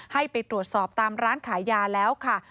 ให้ไปตรวจสอบตามร้านขายยาแล้วค่ะ